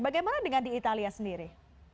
bagaimana dengan di italia sendiri